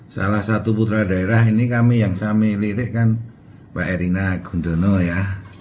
salah satu putra daerah ini kami yang kami lirik kan pak erina gundono ya